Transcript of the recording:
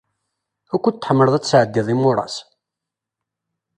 Wukud tḥemmleḍ ad tesɛeddiḍ imuras?